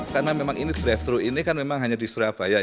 karena memang ini drive thru ini kan memang hanya di surabaya